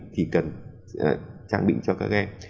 thì cần trang bị cho các em